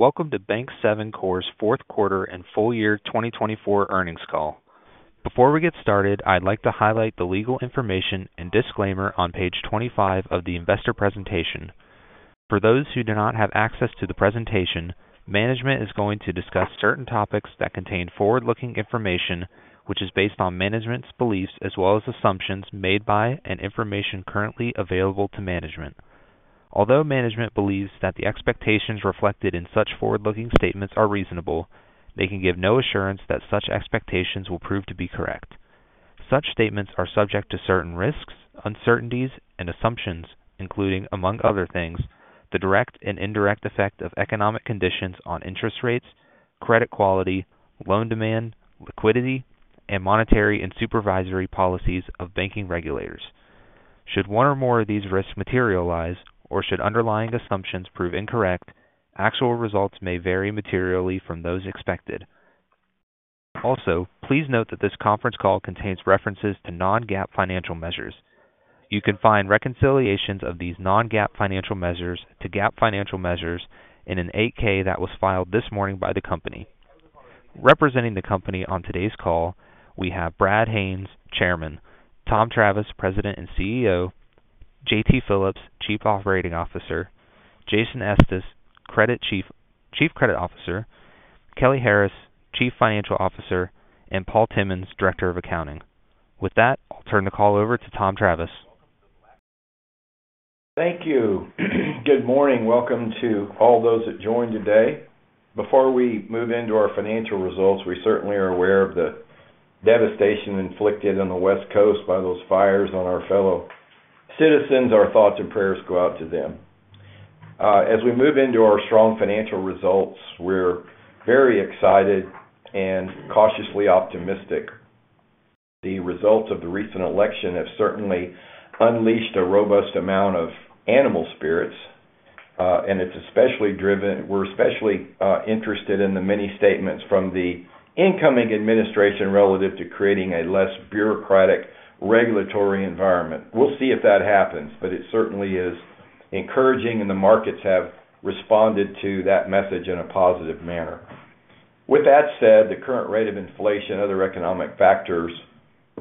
Welcome to Bank7 Corp.'s Q4 and Full Year 2024 Earnings Call. Before we get started, I'd like to highlight the legal information and disclaimer on page 25 of the investor presentation. For those who do not have access to the presentation, management is going to discuss certain topics that contain forward-looking information, which is based on management's beliefs as well as assumptions made by and information currently available to management. Although management believes that the expectations reflected in such forward-looking statements are reasonable, they can give no assurance that such expectations will prove to be correct. Such statements are subject to certain risks, uncertainties, and assumptions, including, among other things, the direct and indirect effect of economic conditions on interest rates, credit quality, loan demand, liquidity, and monetary and supervisory policies of banking regulators. Should one or more of these risks materialize, or should underlying assumptions prove incorrect, actual results may vary materially from those expected. Also, please note that this conference call contains references to non-GAAP financial measures. You can find reconciliations of these non-GAAP financial measures to GAAP financial measures in an 8-K that was filed this morning by the company. Representing the company on today's call, we have Brad Haines, Chairman, Tom Travis, President and CEO, J.T. Phillips, Chief Operating Officer, Jason Estes, Chief Credit Officer, Kelly Harris, Chief Financial Officer, and Paul Timmons, Director of Accounting. With that, I'll turn the call over to Tom Travis. Thank you. Good morning. Welcome to all those that joined today. Before we move into our financial results, we certainly are aware of the devastation inflicted on the West Coast by those fires on our fellow citizens. Our thoughts and prayers go out to them. As we move into our strong financial results, we're very excited and cautiously optimistic. The results of the recent election have certainly unleashed a robust amount of animal spirits, and it's especially driven, we're especially interested in the many statements from the incoming administration relative to creating a less bureaucratic regulatory environment. We'll see if that happens, but it certainly is encouraging, and the markets have responded to that message in a positive manner. With that said, the current rate of inflation and other economic factors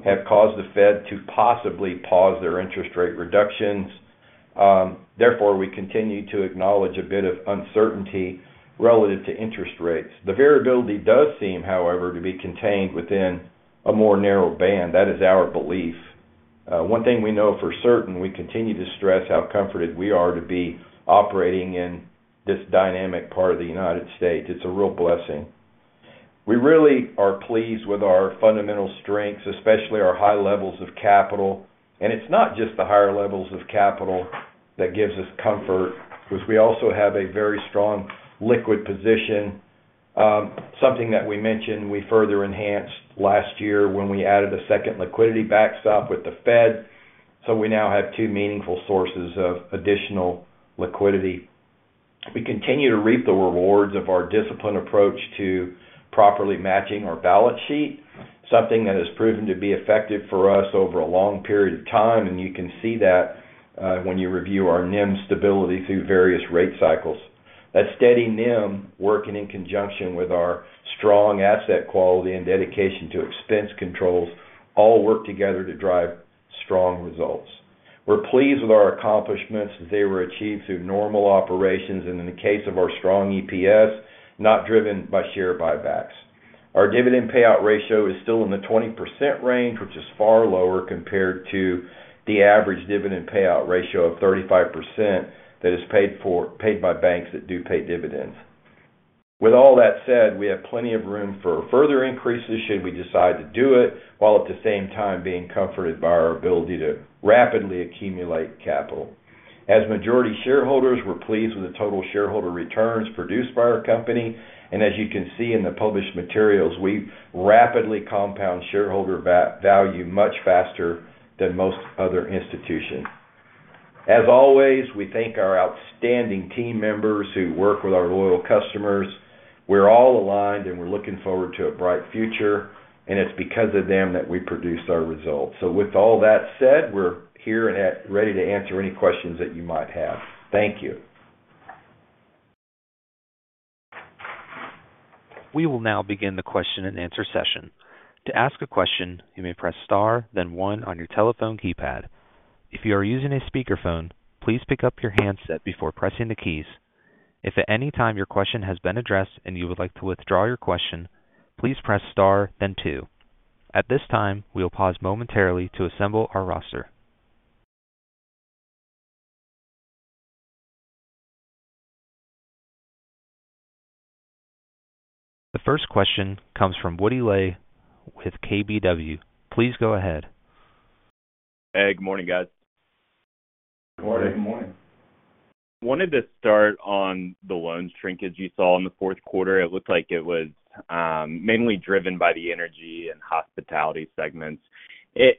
have caused the Fed to possibly pause their interest rate reductions. Therefore, we continue to acknowledge a bit of uncertainty relative to interest rates. The variability does seem, however, to be contained within a more narrow band. That is our belief. One thing we know for certain, we continue to stress how comforted we are to be operating in this dynamic part of the United States. It's a real blessing. We really are pleased with our fundamental strengths, especially our high levels of capital. And it's not just the higher levels of capital that gives us comfort, because we also have a very strong liquid position, something that we mentioned we further enhanced last year when we added a second liquidity backstop with the Fed. So we now have two meaningful sources of additional liquidity. We continue to reap the rewards of our disciplined approach to properly matching our balance sheet, something that has proven to be effective for us over a long period of time. And you can see that when you review our NIM stability through various rate cycles. That steady NIM, working in conjunction with our strong asset quality and dedication to expense controls, all work together to drive strong results. We're pleased with our accomplishments as they were achieved through normal operations and, in the case of our strong EPS, not driven by share buybacks. Our dividend payout ratio is still in the 20% range, which is far lower compared to the average dividend payout ratio of 35% that is paid by banks that do pay dividends. With all that said, we have plenty of room for further increases should we decide to do it, while at the same time being comforted by our ability to rapidly accumulate capital. As majority shareholders, we're pleased with the total shareholder returns produced by our company. And as you can see in the published materials, we've rapidly compound shareholder value much faster than most other institutions. As always, we thank our outstanding team members who work with our loyal customers. We're all aligned, and we're looking forward to a bright future. And it's because of them that we produce our results. So with all that said, we're here and ready to answer any questions that you might have. Thank you. We will now begin the question and answer session. To ask a question, you may press star, then one on your telephone keypad. If you are using a speakerphone, please pick up your handset before pressing the keys. If at any time your question has been addressed and you would like to withdraw your question, please press star, then two. At this time, we'll pause momentarily to assemble our roster. The first question comes from Woody Lay with KBW. Please go ahead. Hey, good morning, guys. Good morning. Wanted to start on the loan shrinkage you saw in the Q4. It looked like it was mainly driven by the energy and hospitality segments.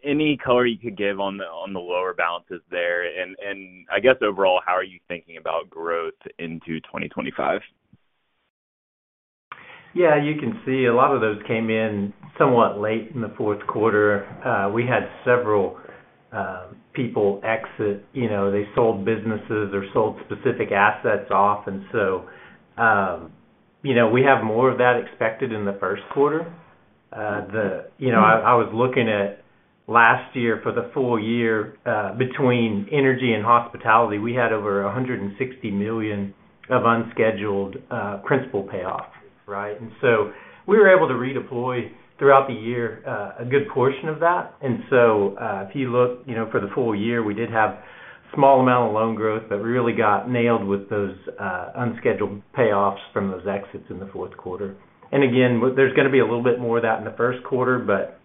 Any color you could give on the lower balances there? And I guess overall, how are you thinking about growth into 2025? Yeah, you can see a lot of those came in somewhat late in the Q4. We had several people exit. They sold businesses or sold specific assets off. And so we have more of that expected in the Q1. I was looking at last year for the full year between energy and hospitality, we had over $160 million of unscheduled principal payoff, right? And so we were able to redeploy throughout the year a good portion of that. And so if you look for the full year, we did have a small amount of loan growth, but we really got nailed with those unscheduled payoffs from those exits in the Q4. And again, there's going to be a little bit more of that in the Q1, but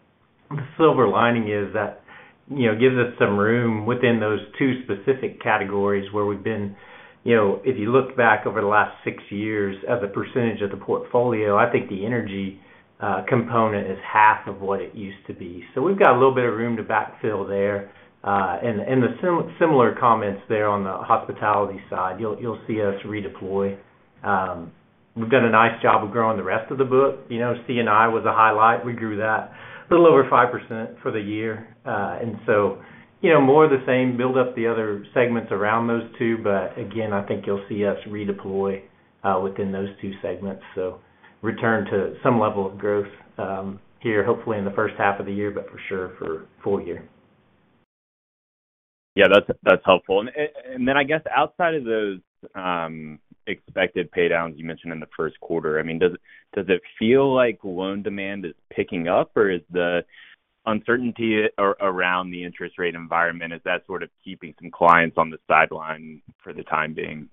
the silver lining is that gives us some room within those two specific categories where we've been. If you look back over the last six years as a percentage of the portfolio, I think the energy component is half of what it used to be. So we've got a little bit of room to backfill there. And the similar comments there on the hospitality side, you'll see us redeploy. We've done a nice job of growing the rest of the book. C&I was a highlight. We grew that a little over 5% for the year. And so more of the same build-up, the other segments around those two. But again, I think you'll see us redeploy within those two segments. So return to some level of growth here, hopefully in the first half of the year, but for sure for the full year. Yeah, that's helpful. And then I guess outside of those expected paydowns you mentioned in the Q1, I mean, does it feel like loan demand is picking up, or is the uncertainty around the interest rate environment, is that sort of keeping some clients on the sidelines for the time being?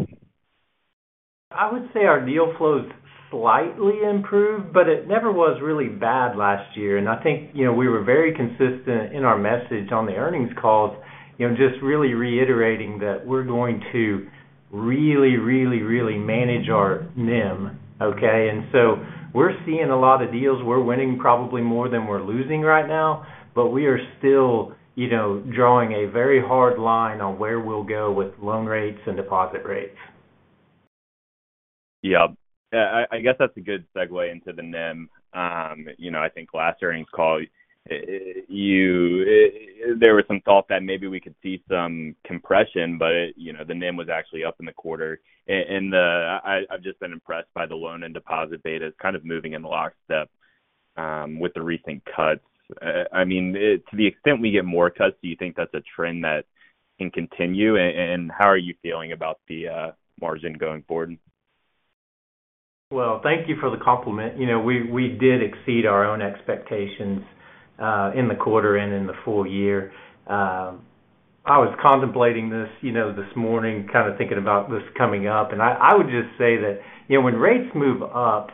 I would say our deal flows slightly improved, but it never was really bad last year. And I think we were very consistent in our message on the earnings calls, just really reiterating that we're going to really, really, really manage our NIM, okay? And so we're seeing a lot of deals. We're winning probably more than we're losing right now, but we are still drawing a very hard line on where we'll go with loan rates and deposit rates. Yeah. I guess that's a good segue into the NIM. I think last earnings call, there were some thoughts that maybe we could see some compression, but the NIM was actually up in the quarter. And I've just been impressed by the loan and deposit data is kind of moving in lockstep with the recent cuts. I mean, to the extent we get more cuts, do you think that's a trend that can continue? And how are you feeling about the margin going forward? Thank you for the compliment. We did exceed our own expectations in the quarter and in the full year. I was contemplating this morning, kind of thinking about this coming up. I would just say that when rates move up,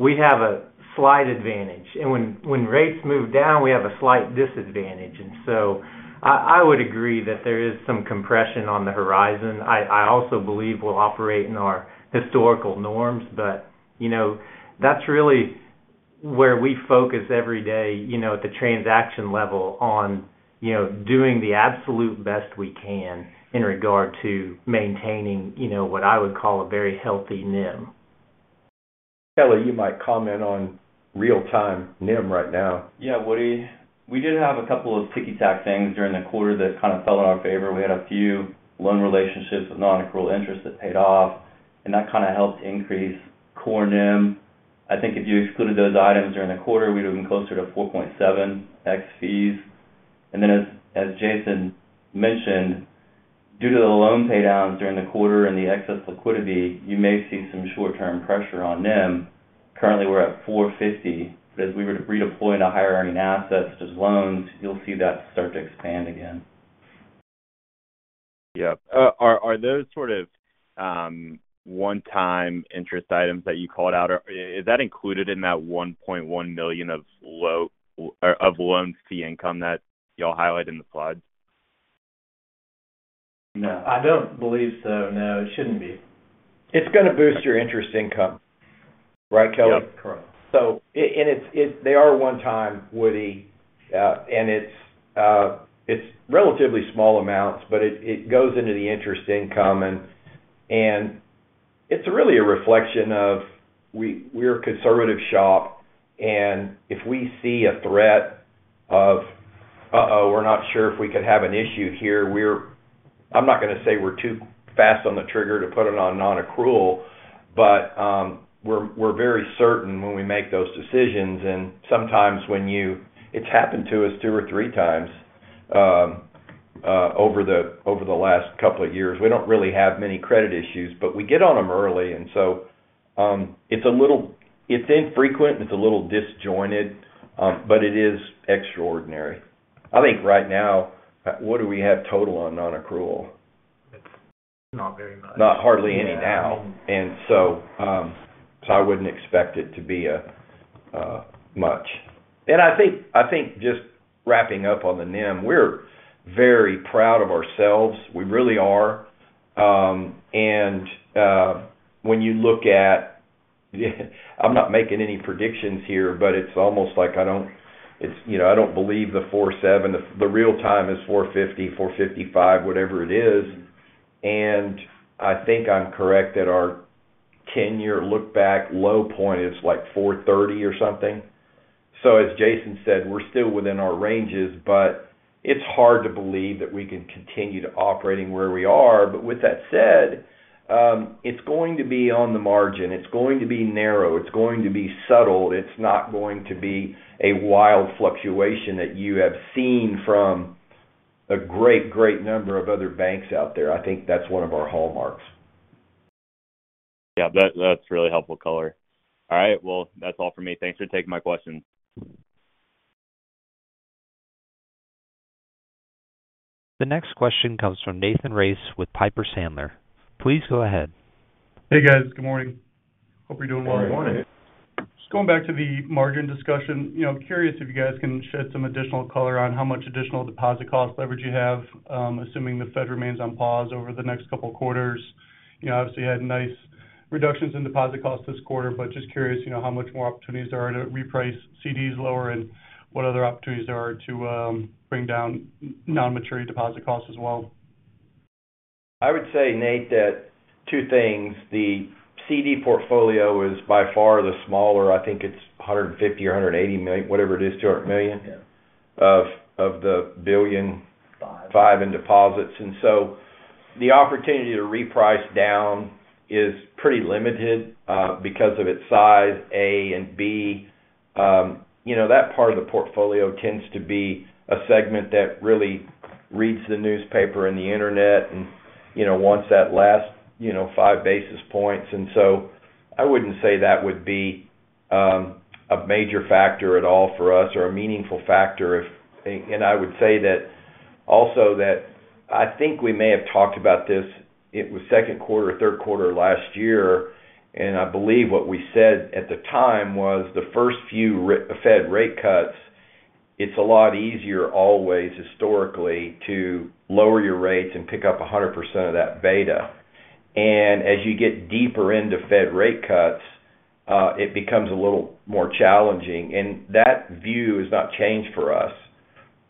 we have a slight advantage. When rates move down, we have a slight disadvantage. I would agree that there is some compression on the horizon. I also believe we'll operate in our historical norms, but that's really where we focus every day at the transaction level on doing the absolute best we can in regard to maintaining what I would call a very healthy NIM. Kelly, you might comment on real-time NIM right now. Yeah, Woody, we did have a couple of ticky-tack things during the quarter that kind of fell in our favor. We had a few loan relationships with non-accrual interest that paid off, and that kind of helped increase core NIM. I think if you excluded those items during the quarter, we'd have been closer to 4.7 ex fees. And then, as Jason mentioned, due to the loan paydowns during the quarter and the excess liquidity, you may see some short-term pressure on NIM. Currently, we're at 4.50, but as we redeploy into higher-earning assets such as loans, you'll see that start to expand again. Yeah. Are those sort of one-time interest items that you called out? Is that included in that $1.1 million of loan fee income that y'all highlight in the slides? No, I don't believe so. No, it shouldn't be. It's going to boost your interest income, right, Kelly? Yes, correct. And they are one-time, Woody, and it's relatively small amounts, but it goes into the interest income. And it's really a reflection of we're a conservative shop. And if we see a threat of, "Uh-oh, we're not sure if we could have an issue here," I'm not going to say we're too fast on the trigger to put it on non-accrual, but we're very certain when we make those decisions. And sometimes when you, it's happened to us two or three times over the last couple of years. We don't really have many credit issues, but we get on them early. And so it's infrequent, and it's a little disjointed, but it is extraordinary. I think right now, what do we have total on non-accrual? It's not very much. Not hardly any now, and so I wouldn't expect it to be much, and I think just wrapping up on the NIM, we're very proud of ourselves. We really are, and when you look at, I'm not making any predictions here, but it's almost like I don't believe the 4.7. The real-time is 4.50, 4.55, whatever it is, and I think I'm correct that our 10-year look-back low point is like 4.30 or something, so as Jason said, we're still within our ranges, but it's hard to believe that we can continue to operate where we are, but with that said, it's going to be on the margin. It's going to be narrow. It's going to be subtle. It's not going to be a wild fluctuation that you have seen from a great, great number of other banks out there. I think that's one of our hallmarks. Yeah, that's really helpful, Kelly. All right. Well, that's all for me. Thanks for taking my questions. The next question comes from Nathan Race with Piper Sandler. Please go ahead. Hey, guys. Good morning. Hope you're doing well. Good morning. Just going back to the margin discussion, curious if you guys can shed some additional color on how much additional deposit cost leverage you have, assuming the Fed remains on pause over the next couple of quarters. Obviously, you had nice reductions in deposit costs this quarter, but just curious how much more opportunities there are to reprice CDs lower and what other opportunities there are to bring down non-maturity deposit costs as well. I would say, Nate, that two things. The CD portfolio is by far the smaller. I think it's $150 million or $180 million, whatever it is, $200 million of the billion. Five in deposits. And so the opportunity to reprice down is pretty limited because of its size, A, and B. That part of the portfolio tends to be a segment that really reads the newspaper and the internet and wants that last five basis points. And so I wouldn't say that would be a major factor at all for us or a meaningful factor. And I would say that also that I think we may have talked about this. It was Q2 or Q3 last year. And I believe what we said at the time was the first few Fed rate cuts. It's a lot easier always historically to lower your rates and pick up 100% of that beta. And as you get deeper into Fed rate cuts, it becomes a little more challenging. And that view has not changed for us.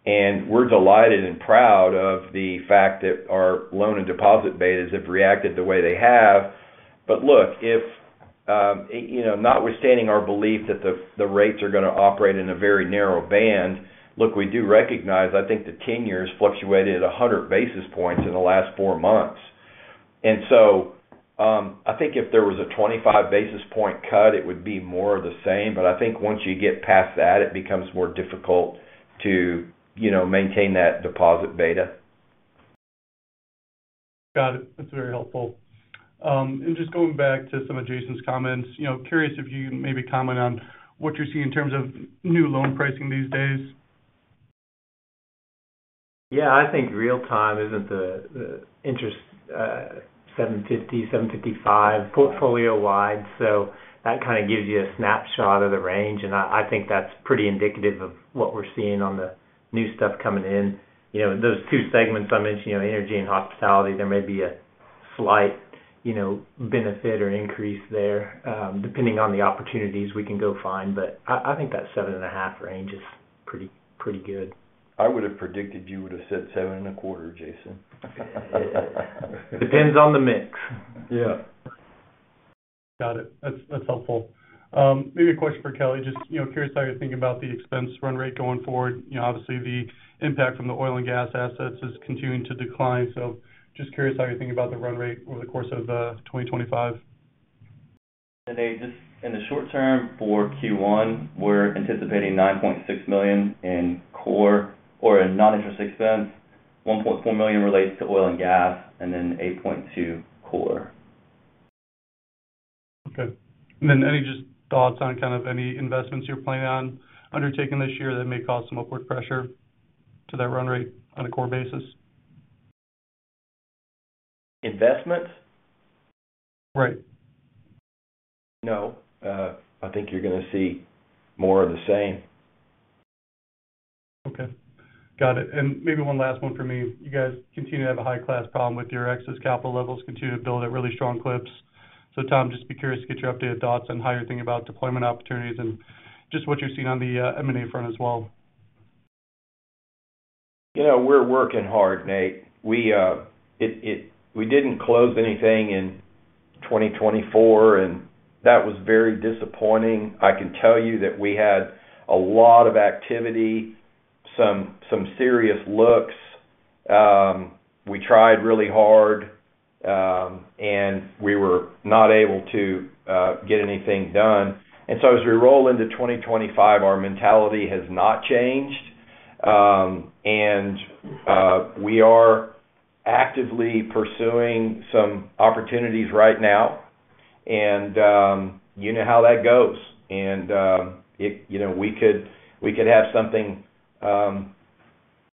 We're delighted and proud of the fact that our loan and deposit betas have reacted the way they have. But look, notwithstanding our belief that the rates are going to operate in a very narrow band, look, we do recognize. I think the 10 years fluctuated at 100 basis points in the last four months. So I think if there was a 25 basis point cut, it would be more of the same. But I think once you get past that, it becomes more difficult to maintain that deposit beta. Got it. That's very helpful, and just going back to some of Jason's comments, curious if you maybe comment on what you're seeing in terms of new loan pricing these days? Yeah, I think the real time interest is 7.50, 7.55 portfolio-wide. So that kind of gives you a snapshot of the range. And I think that's pretty indicative of what we're seeing on the new stuff coming in. Those two segments I mentioned, energy and hospitality, there may be a slight benefit or increase there depending on the opportunities we can go find. But I think that 7.5 range is pretty good. I would have predicted you would have said seven and a quarter, Jason. Depends on the mix. Yeah. Got it. That's helpful. Maybe a question for Kelly. Just curious how you're thinking about the expense run rate going forward? Obviously, the impact from the oil and gas assets is continuing to decline. So just curious how you're thinking about the run rate over the course of 2025? Today, just in the short term for Q1, we're anticipating $9.6 million in core or in non-interest expense. $1.4 million relates to oil and gas, and then $8.2 million core. Okay. And then any just thoughts on kind of any investments you're planning on undertaking this year that may cause some upward pressure to that run rate on a core basis? Investments? Right. No. I think you're going to see more of the same. Okay. Got it, and maybe one last one for me. You guys continue to have a high-class problem with your excess capital levels, continue to build at really strong clips, so Tom, just curious to get your updated thoughts on how you're thinking about deployment opportunities and just what you're seeing on the M&A front as well? We're working hard, Nate. We didn't close anything in 2024, and that was very disappointing. I can tell you that we had a lot of activity, some serious looks. We tried really hard, and we were not able to get anything done. And so as we roll into 2025, our mentality has not changed. And we are actively pursuing some opportunities right now. And you know how that goes. And we could have something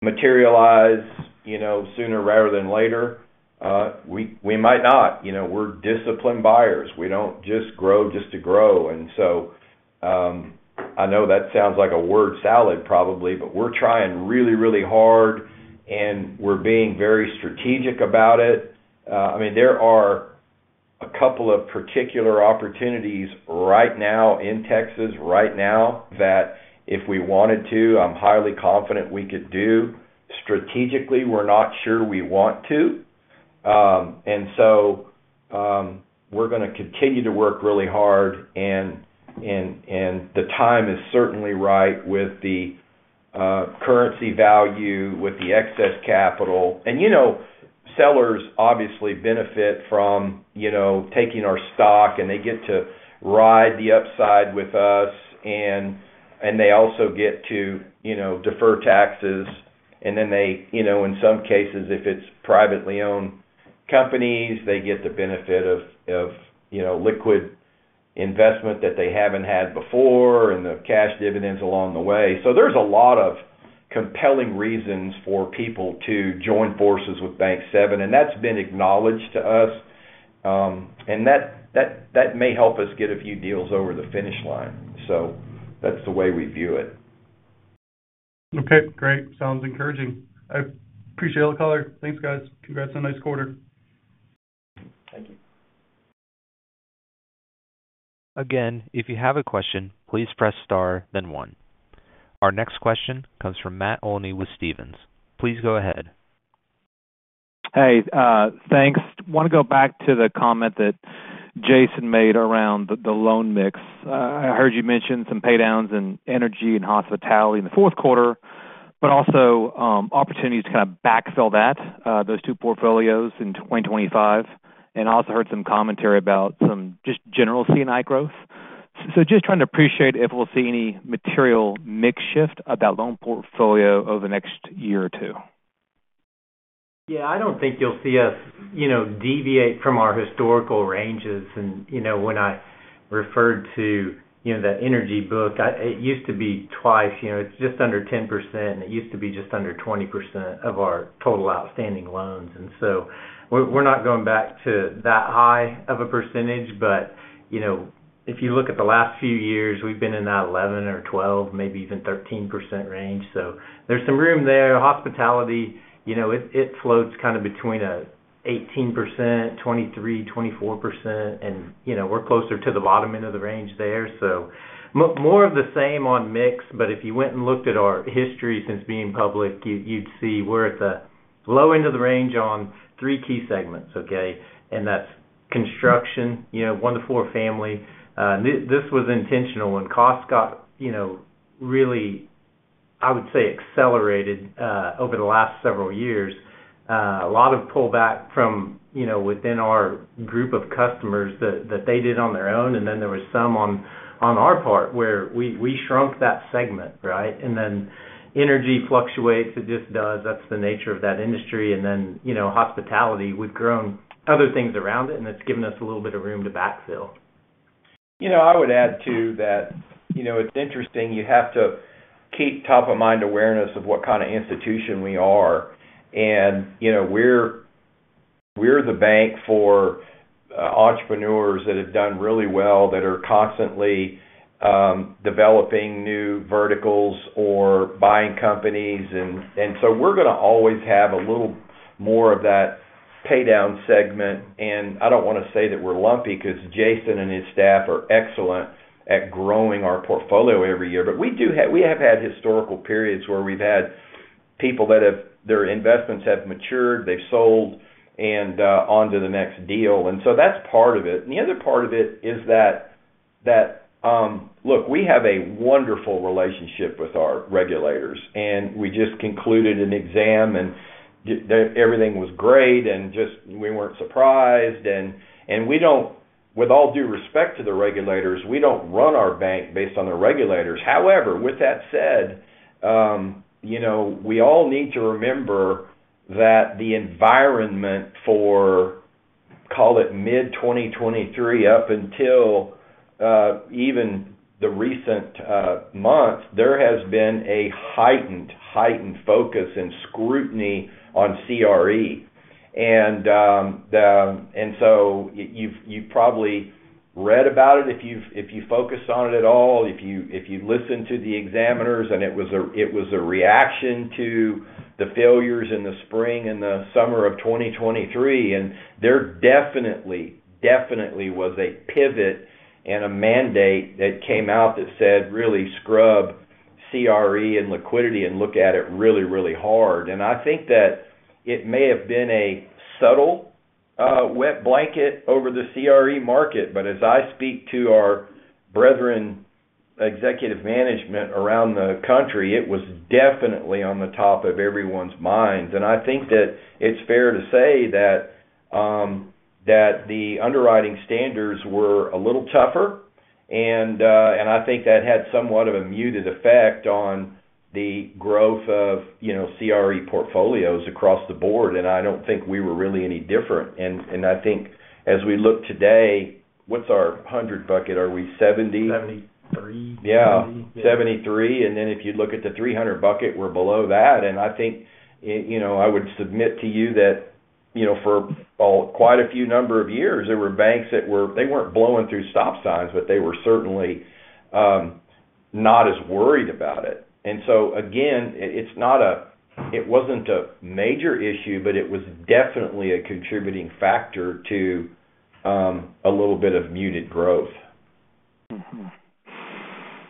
materialize sooner rather than later. We might not. We're disciplined buyers. We don't just grow just to grow. And so I know that sounds like a word salad probably, but we're trying really, really hard, and we're being very strategic about it. I mean, there are a couple of particular opportunities right now in Texas that if we wanted to, I'm highly confident we could do. Strategically, we're not sure we want to. And so we're going to continue to work really hard. And the time is certainly right with the currency value, with the excess capital. And sellers obviously benefit from taking our stock, and they get to ride the upside with us. And they also get to defer taxes. And then in some cases, if it's privately owned companies, they get the benefit of liquid investment that they haven't had before and the cash dividends along the way. So there's a lot of compelling reasons for people to join forces with Bank7. And that's been acknowledged to us. And that may help us get a few deals over the finish line. So that's the way we view it. Okay. Great. Sounds encouraging. I appreciate it, Kelly. Thanks, guys. Congrats on a nice quarter. Thank you. Again, if you have a question, please press star, then one. Our next question comes from Matt Olney with Stephens. Please go ahead. Hey, thanks. Want to go back to the comment that Jason made around the loan mix. I heard you mention some paydowns in energy and hospitality in the Q4, but also opportunities to kind of backfill that, those two portfolios in 2025, and I also heard some commentary about some just general C&I growth. So just trying to appreciate if we'll see any material mix shift of that loan portfolio over the next year or two. Yeah, I don't think you'll see us deviate from our historical ranges, and when I referred to that energy book, it used to be twice. It's just under 10%, and it used to be just under 20% of our total outstanding loans, and so we're not going back to that high of a percentage, but if you look at the last few years, we've been in that 11 or 12, maybe even 13% range. So there's some room there. Hospitality, it floats kind of between 18%, 23%-24%, and we're closer to the bottom end of the range there. So more of the same on mix, but if you went and looked at our history since being public, you'd see we're at the low end of the range on three key segments, okay, and that's construction, one to four family. This was intentional when costs got really, I would say, accelerated over the last several years. A lot of pullback from within our group of customers that they did on their own. And then there was some on our part where we shrunk that segment, right? And then energy fluctuates. It just does. That's the nature of that industry. And then hospitality, we've grown other things around it, and it's given us a little bit of room to backfill. I would add to that. It's interesting. You have to keep top of mind awareness of what kind of institution we are. And we're the bank for entrepreneurs that have done really well that are constantly developing new verticals or buying companies. And so we're going to always have a little more of that paydown segment. And I don't want to say that we're lumpy because Jason and his staff are excellent at growing our portfolio every year. But we have had historical periods where we've had people that their investments have matured. They've sold and on to the next deal. And so that's part of it. And the other part of it is that, look, we have a wonderful relationship with our regulators. And we just concluded an exam, and everything was great. And we weren't surprised. With all due respect to the regulators, we don't run our bank based on the regulators. However, with that said, we all need to remember that the environment for, call it mid-2023 up until even the recent months, there has been a heightened, heightened focus and scrutiny on CRE, so you've probably read about it if you focus on it at all, if you listen to the examiners, and it was a reaction to the failures in the spring and the summer of 2023, there definitely, definitely was a pivot and a mandate that came out that said, "Really scrub CRE and liquidity and look at it really, really hard." I think that it may have been a subtle wet blanket over the CRE market, but as I speak to our brethren executive management around the country, it was definitely on the top of everyone's minds. And I think that it's fair to say that the underwriting standards were a little tougher. And I think that had somewhat of a muted effect on the growth of CRE portfolios across the board. And I don't think we were really any different. And I think as we look today, what's our 100 bucket? Are we 70? 73. Yeah. 73. And then if you look at the 300 bucket, we're below that. And I think I would submit to you that for quite a few number of years, there were banks that were. They weren't blowing through stop signs, but they were certainly not as worried about it. And so again, it wasn't a major issue, but it was definitely a contributing factor to a little bit of muted growth.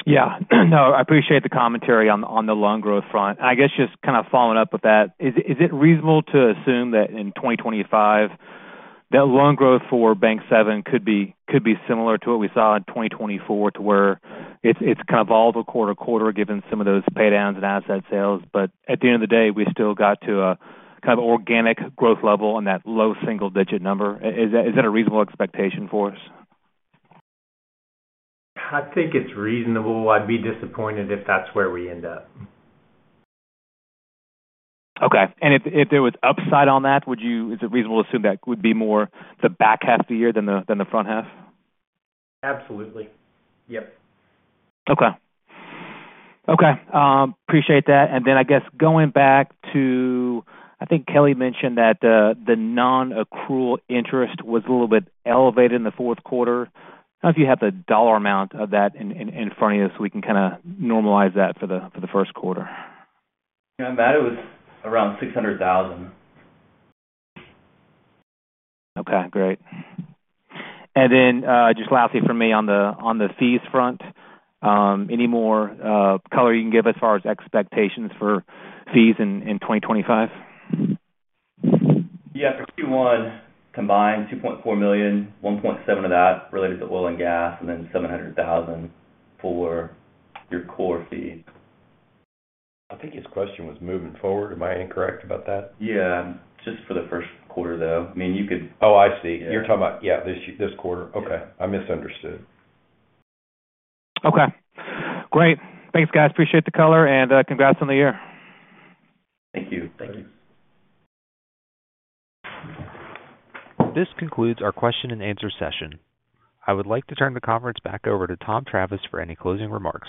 Yeah. No, I appreciate the commentary on the loan growth front. And I guess just kind of following up with that, is it reasonable to assume that in 2025, that loan growth for Bank7 could be similar to what we saw in 2024 to where it's kind of volatile quarter to quarter given some of those paydowns and asset sales? But at the end of the day, we still got to a kind of organic growth level on that low single-digit number. Is that a reasonable expectation for us? I think it's reasonable. I'd be disappointed if that's where we end up. Okay, and if there was upside on that, is it reasonable to assume that would be more the back half of the year than the front half? Absolutely. Yep. Okay. Okay. Appreciate that. And then I guess going back to, I think Kelly mentioned that the non-accrual interest was a little bit elevated in the Q4. I don't know if you have the dollar amount of that in front of you so we can kind of normalize that for the Q1. Yeah, Matt, it was around $600,000. Okay. Great. And then just lastly for me on the fees front, any more color you can give as far as expectations for fees in 2025? Yeah. For Q1 combined, $2.4 million, $1.7 million of that related to oil and gas, and then $700,000 for your core fee. I think his question was moving forward. Am I incorrect about that? Yeah. Just for the Q1, though. I mean, you could. Oh, I see. You're talking about, yeah, this quarter. Okay. I misunderstood. Okay. Great. Thanks, guys. Appreciate the color. And congrats on the year. Thank you. This concludes our question and answer session. I would like to turn the conference back over to Tom Travis for any closing remarks.